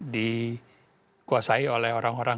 dikuasai oleh orang orang